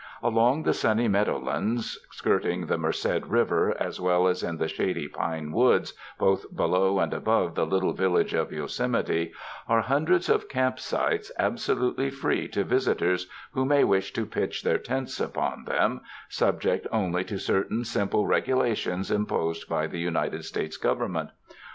Along the sunny meadow lands skirting the Merced River as well as in the shady pine woods, both below and above the little village of Yosemite, are hundreds of camp sites absolutely free to visitors who may wish to pitch their tents upon them, sub ject only to certain simple regulations imposed by the United States Government.